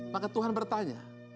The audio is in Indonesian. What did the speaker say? maka tuhan bertanya